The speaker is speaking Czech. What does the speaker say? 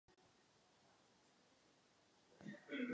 V jiných zemích tato praxe není běžná a povolená.